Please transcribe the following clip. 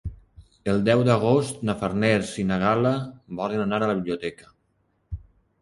El deu d'agost na Farners i na Gal·la volen anar a la biblioteca.